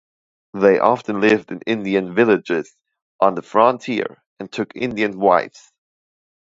They often lived in Indian villages on the frontier and took Indian wives.